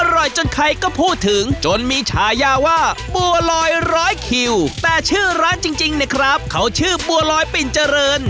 อร่อยจนใครก็พูดถึงจนมีฉายาว่าบัวลอยร้อยคิวแต่ชื่อร้านจริงเนี่ยครับเขาชื่อบัวลอยปิ่นเจริญ